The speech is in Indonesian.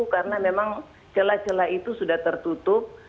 karena memang celah celah itu sudah tertutup